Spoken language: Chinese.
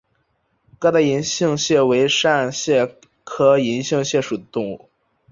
疙瘩银杏蟹为扇蟹科银杏蟹属的动物。